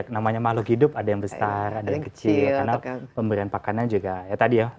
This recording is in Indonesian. namanya makhluk hidup ada yang besar ada yang kecil karena pemberian pakannya juga ya tadi ya